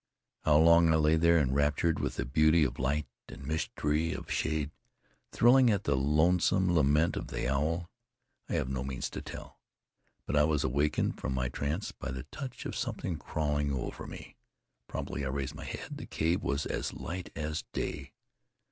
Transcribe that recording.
How long I lay there enraptured with the beauty of light and mystery of shade, thrilling at the lonesome lament of the owl, I have no means to tell; but I was awakened from my trance by the touch of something crawling over me. Promptly I raised my head. The cave was as light as day.